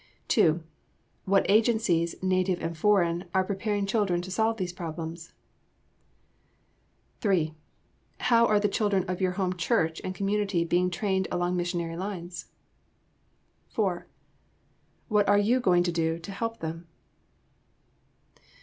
2. What agencies, native and foreign, are preparing children to solve these problems? 3. How are the children of your home and church and community being trained along missionary lines? 4. What are you doing to help them?